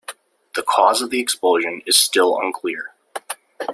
The cause of the explosion is still unclear.